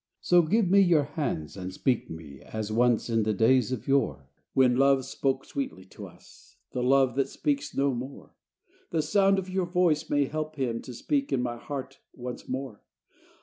So give me your hands and speak me As once in the days of yore, When love spoke sweetly to us, The love that speaks no more: The sound of your voice may help him To speak in my heart once more.